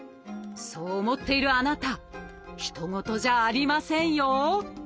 そう思っているあなたひと事じゃありませんよ！